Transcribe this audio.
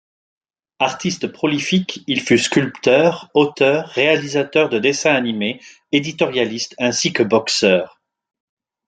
Artiste prolifique, il fut sculpteur, auteur, réalisateur de dessins animés, éditorialiste, ainsi que boxeur.